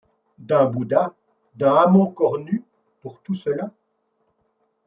D’un Bouddha, d’un Ammon cornu, pour tout cela ?